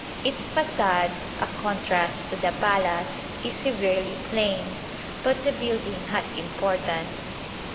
Its façade a contrast to the palace is severely plain, but the building has importance.